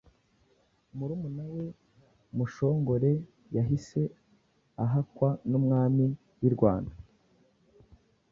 Murumuna we Mushongore yahise ahakwa n’umwami w’i Rwanda